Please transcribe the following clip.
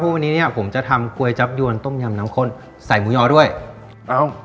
วันนี้เนี้ยผมจะทำก๋วยจับยวนต้มยำน้ำข้นใส่หมูยอด้วยเอ้า